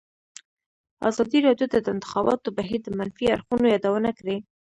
ازادي راډیو د د انتخاباتو بهیر د منفي اړخونو یادونه کړې.